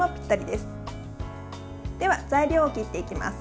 では、材料を切っていきます。